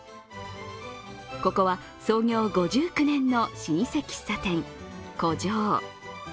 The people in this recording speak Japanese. ここは創業５９年の老舗喫茶店、古城。